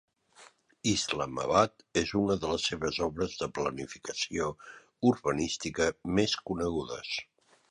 Islamabad és una de les seves obres de planificació urbanística més conegudes.